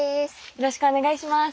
よろしくお願いします。